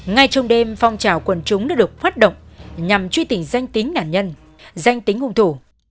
ngay trong đêm phong trào quần trúng đã được hoạt động nhằm truy tình danh tính nạn nhân danh tính hùng thủ